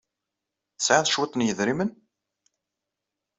Tesɛiḍ cwiṭ n yedrimen?